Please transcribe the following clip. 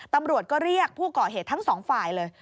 ตำรวจก็เรียกผู้ก่อเหตุทั้งสองฝ่ายเลย